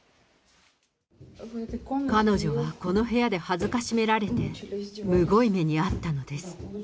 彼女はこの部屋で辱められて、むごい目に遭ったのです。